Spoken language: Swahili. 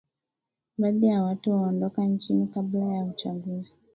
Baadhi ya watu waondoka nchini kabla ya uchaguzi